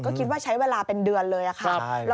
ก็คิดว่าใช้เวลาเป็นเดือนเลยค่ะ